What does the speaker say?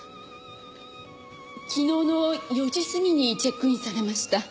昨日の４時過ぎにチェックインされました。